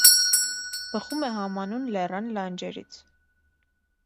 Բխում է համանուն լեռան լանջերից։